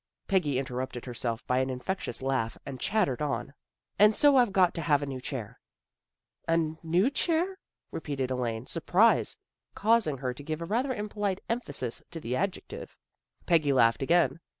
Peggy interrupted herself by an infectious laugh and chattered on, " And so I've got to have a new chair " A new chair," repeated Elaine, surprise causing her to give a rather impolite emphasis to the adjective. Peggy laughed again.